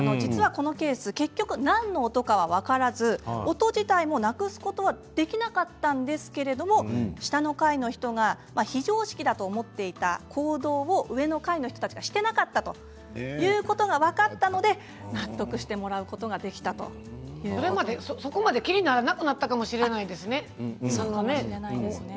結局、何の音か分からず音自体もなくすことはできなかったんですけれども下の階の人が非常識だと思っていた行動を上の階の人たちがしていなかったということが分かったので納得してもらうことができたそこまで気にならなくなったかもしれないですね。